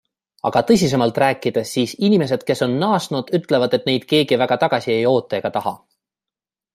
Aga tõsisemalt rääkides, siis inimesed, kes on naasnud, ütlevad, et neid keegi väga tagasi ei oota ega taha.